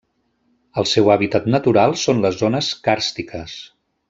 El seu hàbitat natural són les zones càrstiques.